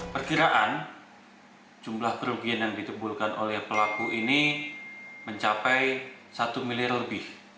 perkiraan jumlah kerugian yang ditembulkan oleh pelaku ini mencapai satu miliar lebih